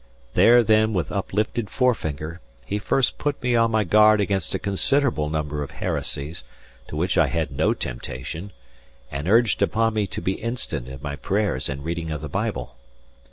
There, then, with uplifted forefinger, he first put me on my guard against a considerable number of heresies, to which I had no temptation, and urged upon me to be instant in my prayers and reading of the Bible.